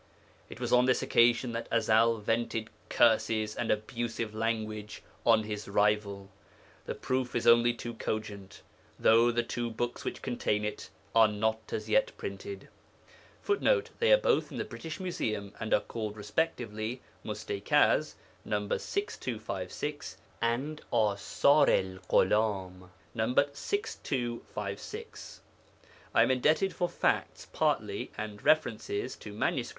It was on this occasion that Ezel vented curses and abusive language on his rival. The proof is only too cogent, though the two books which contain it are not as yet printed. [Footnote: They are both in the British Museum, and are called respectively Mustaikaz (No. 6256) and Asar el Ghulam (No. 6256). I am indebted for facts (partly) and references to MSS.